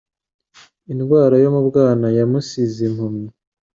Indwara yo mu bwana yamusize impumyi.